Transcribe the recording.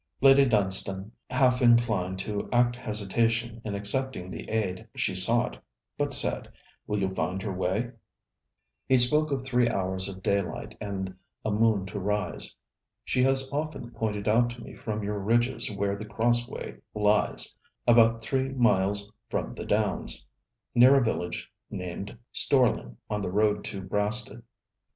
Lady Dunstane half inclined to act hesitation in accepting the aid she sought, but said: 'Will you find your way?' He spoke of three hours of daylight and a moon to rise. 'She has often pointed out to me from your ridges where The Crossways lies, about three miles from the Downs, near a village named Storling, on the road to Brasted.